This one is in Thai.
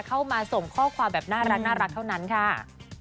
เข้ามาส่งข้อความแบบน่ารักเท่านั้นค่ะ